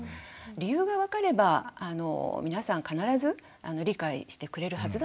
理由が分かれば皆さん必ず理解してくれるはずだと思います。